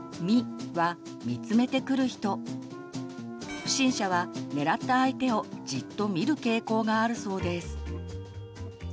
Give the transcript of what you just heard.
「み」は不審者は狙った相手をじっと見る傾向があるそうです。